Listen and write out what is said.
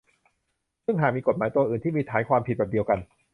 ซึ่งหากมีกฎหมายตัวอื่นที่มีฐานความผิดแบบเดียวกัน